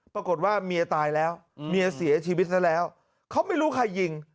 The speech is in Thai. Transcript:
ปรากฏว่าเมียตายแล้วเมียเสียชีวิตซะแล้วเขาไม่รู้ใครยิง